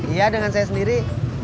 iya dengan saya sendiri